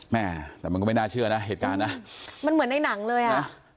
แม่แต่มันก็ไม่น่าเชื่อนะเหตุการณ์นะมันเหมือนในหนังเลยอ่ะ